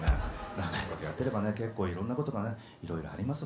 長いことやってればね結構いろんなことがねいろいろあります